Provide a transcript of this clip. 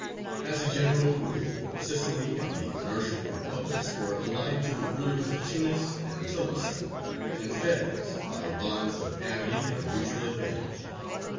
As a general rule, Sicily and the commercial Republics were allied to the rulers of Tunis and Tilimsān and Fez by bonds of amity and mutual advantage.